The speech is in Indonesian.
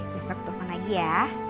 besok telfon lagi ya